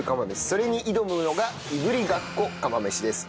それに挑むのがいぶりがっこ釜飯です。